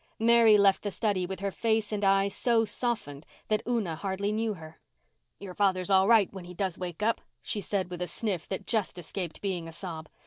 Mary left the study with her face and eyes so softened that Una hardly knew her. "Your father's all right, when he does wake up," she said with a sniff that just escaped being a sob.